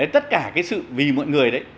tất cả cái sự vì mọi người đấy